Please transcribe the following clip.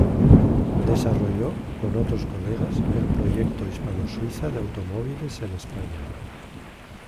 Desarrolló, con otros colegas, el proyecto Hispano-Suiza de Automóviles en España.